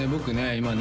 今ね